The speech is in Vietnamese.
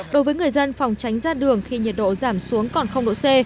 đối với người dân phòng tránh ra đường khi nhiệt độ giảm xuống còn độ c